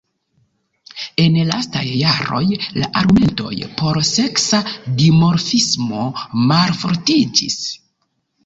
En lastaj jaroj la argumentoj por seksa dimorfismo malfortiĝis.